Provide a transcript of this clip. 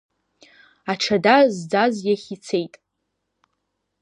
Аҽада зӡаз иахь ицеит.